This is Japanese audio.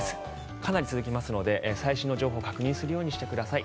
かなり続きますので最新の情報を確認するようにしてください。